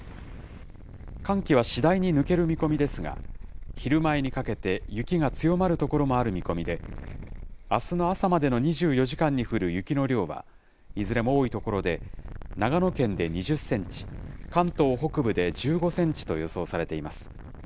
寒気は次第に抜ける見込みですが、昼前にかけて雪が強まる所もある見込みで、あすの朝までの２４時間に降る雪の量は、いずれも多い所で長野県で２０センチ、関東北部で１５センチと予想されています。